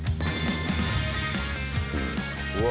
うわ。